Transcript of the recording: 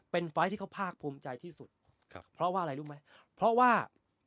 เป็นไฟล์ที่เขาภาคภูมิใจที่สุดครับเพราะว่าอะไรรู้ไหมเพราะว่า